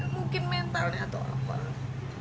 mungkin mentalnya atau apa